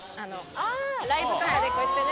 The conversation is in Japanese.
あライブとかでこうやってね。